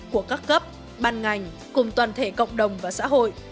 của các cấp ban ngành cùng toàn thể cộng đồng và xã hội